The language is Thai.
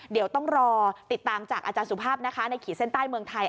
เดี๋ยวต้องรอติดตามจากอาจารย์สุภาพนะคะในขีดเส้นใต้เมืองไทย